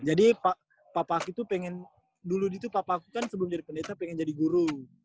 jadi papa aku itu pengen dulu itu papa aku kan sebelum jadi pendeta pengen jadi guru